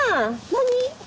何？